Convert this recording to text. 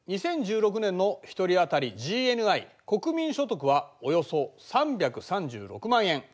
２０１６年の１人あたりＧＮＩ国民所得はおよそ３３６万円。